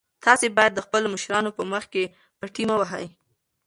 تاسي باید د خپلو مشرانو په مخ کې پټې مه وهئ.